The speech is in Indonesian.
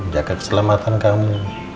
jaga keselamatan kamu